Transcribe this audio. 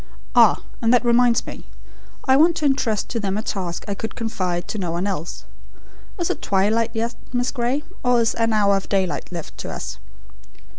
Ah! and that reminds me: I want to intrust to them a task I could confide to no one else. Is it twilight yet, Miss Gray, or is an hour of daylight left to us?"